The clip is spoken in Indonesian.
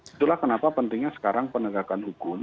itulah kenapa pentingnya sekarang penegakan hukum